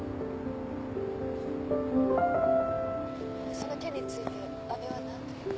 その件について阿部は何と？